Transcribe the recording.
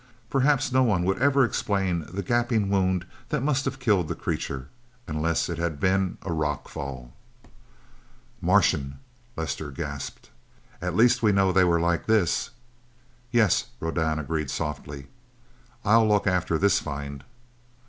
Perhaps no one would ever explain the gaping wound that must have killed the creature, unless it had been a rock fall. "Martian!" Lester gasped. "At least we know that they were like this!" "Yes," Rodan agreed softly. "I'll look after this find."